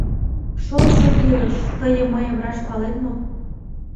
Шолшо илыш, Тые мыйым раш палет мо?